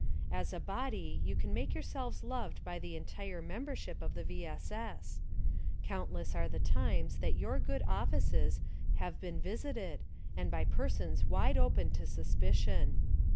As a body you can make yourselves loved b}^ the entire membership of the V. S. S. Countless are the times that yoiir good offices have been visited and by persons wide open to suspicion.